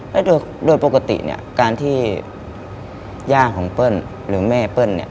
แล้วโดยปกติเนี่ยการที่ย่าของเปิ้ลหรือแม่เปิ้ลเนี่ย